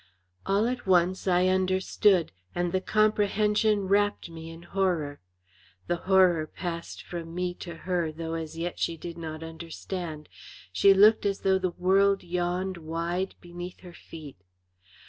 All at once I understood, and the comprehension wrapped me in horror. The horror passed from me to her, though as yet she did not understand. She looked as though the world yawned wide beneath her feet.